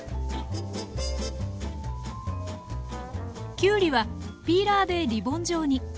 きゅうりはピーラーでリボン状に。